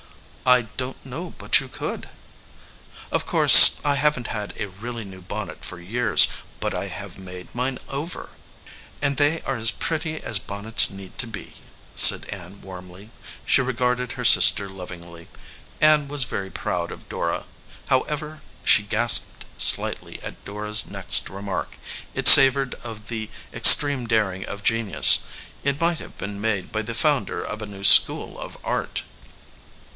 "I don t know but you could." "Of course, I haven t had a really new bonnet for years, but I have made mine over." "And they are as pretty as bonnets need to be," said Ann warmly. She regarded her sister lov ingly. Ann v as very proud of Dora. However, she gasped slightly at Dora s next remark. It sav ored of the extreme daring of genius ; it might have been made by the founder of a new school of art.